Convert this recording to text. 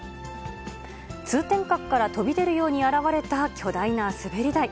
通天閣から飛び出るように現れた、巨大な滑り台。